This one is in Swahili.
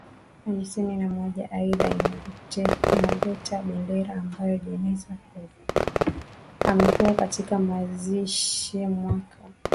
hamsini na moja Aidha ina gota bendera ambamo jeneza Hoover amefungwa katika mazishiMwaka